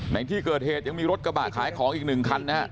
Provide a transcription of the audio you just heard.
ในที่เกิดเหตุยังมีรถกระบะขายของอีก๑คันนะฮะ